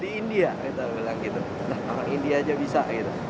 di india kita bilang gitu nah orang india aja bisa gitu